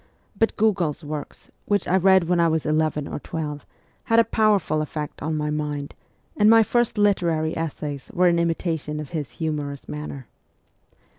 But Gogol's works, which I read when I was eleven or twelve, had a powerful effect on my mind, and my first literary essays were in hnitation of his humorous manner.